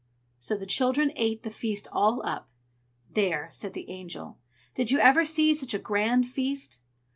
So the children ate the feast all up. "There!" said the Angel. "Did ever you see such a grand feast?"